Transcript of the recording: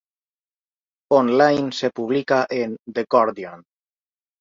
On-line se publica en The Guardian.